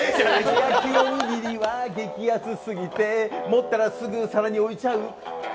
焼きおにぎりは激熱すぎて持ったらすぐ皿に置いちゃう！